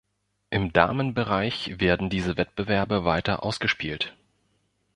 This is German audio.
Im Damenbereich werden diese Wettbewerbe weiter ausgespielt.